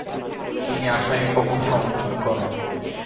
তিনি আসামি পক্ষ সমর্থন করেন।